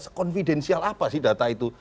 sekonfidensial apa sih data itu